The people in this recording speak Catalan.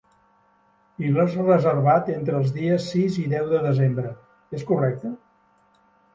I l'has reservat entre els dies sis i deu de desembre, és correcte?